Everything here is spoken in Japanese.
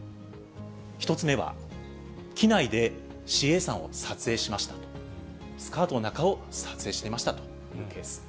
１つ目は、機内でＣＡさんを撮影しました、スカートの中を撮影していましたというケース。